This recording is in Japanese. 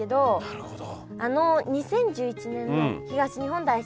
なるほど。